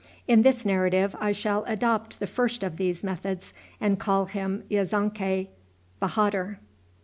In this narrative I shall adopt the first of these methods, and call him Yezonkai Behadr.